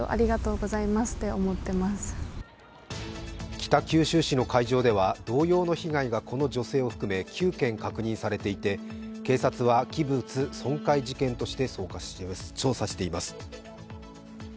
北九州市の会場では同様の被害がこの女性を含め９件確認されていて警察は器物損壊事件として捜査しています。